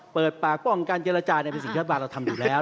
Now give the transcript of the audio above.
เปิดปากป้องการเจรจาเนี่ยเป็นสิ่งที่บางเราทำอยู่แล้ว